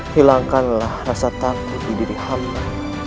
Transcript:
hilangkanlah rasa takut di diri hamba